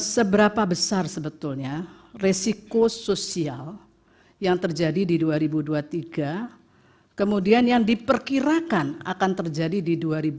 seberapa besar sebetulnya resiko sosial yang terjadi di dua ribu dua puluh tiga kemudian yang diperkirakan akan terjadi di dua ribu dua puluh empat